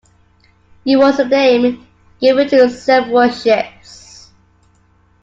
It was the name given to several ships.